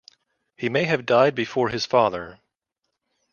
He may have died before his father.